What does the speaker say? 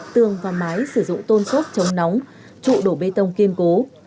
tường và mái sử dụng tôn xốp chống nóng trụ đổ bê tông kiên cố